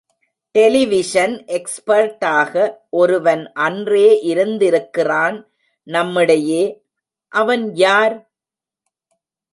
Television expert ஆக ஒருவன் அன்றே இருந்திருக்கிறான் நம்மிடையே, அவன் யார்?